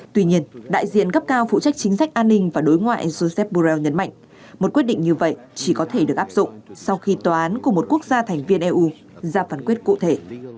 tuy nhiên đại diện cấp cao phụ trách chính sách an ninh và đối ngoại joseph borrell nhấn mạnh một quyết định như vậy chỉ có thể được áp dụng sau khi tòa án của một quốc gia thành viên eu ra phán quyết cụ thể